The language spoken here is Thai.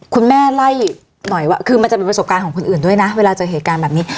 คุณแม่ไล่หน่อยว่าคือมันจะมีประสบการณ์ของคนอื่นด้วยนะเวลาเจอเหตุการณ์แบบนี้